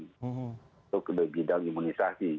itu ke bidang imunisasi